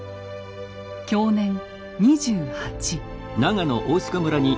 享年２８。